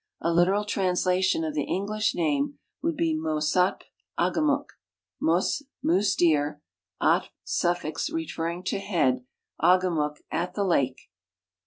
A literal translation of the English name would be Musatp aggmuk ; miis, " moose deer ;" atp suffix referring to " head ;" tigemuk, " at the lake."